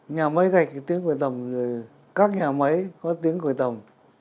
nhà máy gạch tiếng quầy tầm các nhà máy có tiếng quầy tầm